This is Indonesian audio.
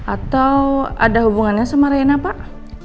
atau ada hubungannya sama reina pak